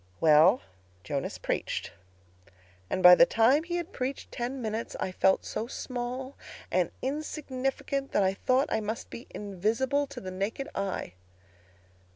"Well, Jonas preached. And, by the time he had preached ten minutes, I felt so small and insignificant that I thought I must be invisible to the naked eye.